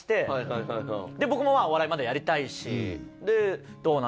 はいはいはい僕もお笑いまだやりたいしでどうなの？